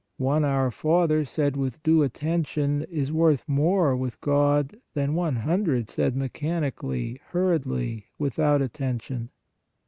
One Our Father said with due attention is worth more with God, than one hundred said mechanically, hurriedly, without attention.